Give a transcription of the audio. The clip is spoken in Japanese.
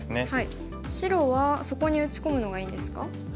白はそこに打ち込むのがいいんですか？